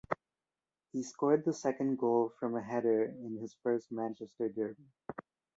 He scored the second goal from a header in his first Manchester derby.